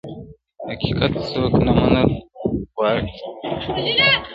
• حقيقت څوک نه منل غواړي تل..